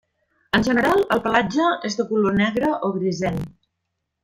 En general, el pelatge és de color negre o grisenc.